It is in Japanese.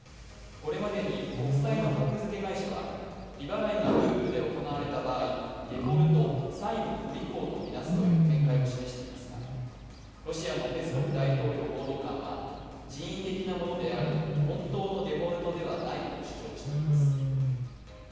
これまでに国債の格付会社は、利払いがルーブルで行われた場合、デフォルト＝債務不履行とみなすという見解を示していますがロシアのペスコフ大統領報道官は人為的なものであり本当のデフォルトではないと主張しています。